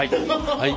はい。